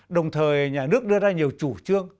đồng thời nhà nước đưa ra nhiều chủ trương